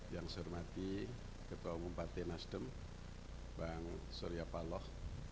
yang saya hormati ketua umum partai nasdem bang surya paloh